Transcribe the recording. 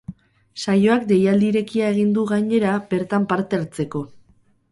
Saioak deialdi irekia egin du, gainera, bertan parte hartzeko.